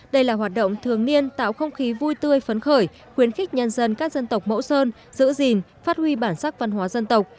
đây là hoạt động thường niên tạo không khí vui tươi phấn khởi khuyến khích nhân dân các dân tộc mẫu sơn giữ gìn phát huy bản sắc văn hóa dân tộc